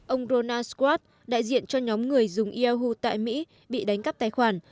ông ronald scott đại diện cho nhóm người dùng yahoo tại mỹ bị đánh cắp tài khoản